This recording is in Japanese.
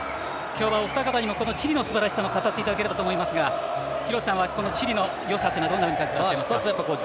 今日はお二方にもチリのすばらしさも語っていただければと思いますが廣瀬さんはこのチリのよさっていうのはどんなふうに感じていますか。